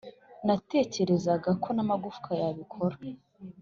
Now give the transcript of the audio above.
natekerezaga ko n'amagufwa yabikora.